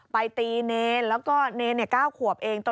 ไปตีเนรษและเนรษก้าวขวบเอง